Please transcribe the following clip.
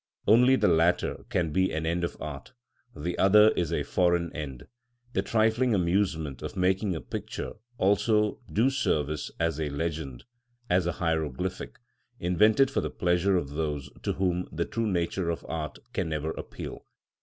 Only the latter can be an end of art; the other is a foreign end, the trifling amusement of making a picture also do service as a legend, as a hieroglyphic, invented for the pleasure of those to whom the true nature of art can never appeal.